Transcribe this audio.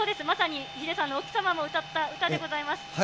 まさにヒデさんの奥さまも歌った歌でございます。